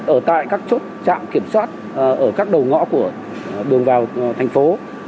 ở tại các chốt trạm kiểm soát ở các đầu ngõ của đường vào thành phố